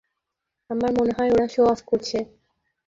আমার মনে হয় ওরা শো-অফ করছে।